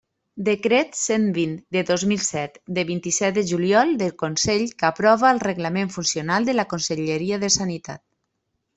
Decret cent vint de dos mil set, de vint-i-set de juliol, del Consell, que aprova el Reglament Funcional de la Conselleria de Sanitat.